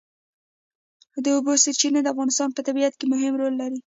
د اوبو سرچینې د افغانستان په طبیعت کې مهم رول لري.